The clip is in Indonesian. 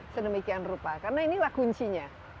sedemikian rupa karena inilah kuncinya